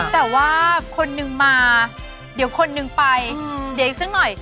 แต่ว่าคนนึงมาเดี๋ยวคนนึงไปเดี๋ยวอีกสักหน่อย